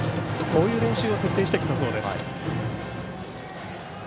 こういう練習を徹底してきたそうです。